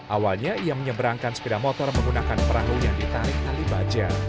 awalnya ia menyeberangkan sepeda motor menggunakan perahu yang ditarik tali baja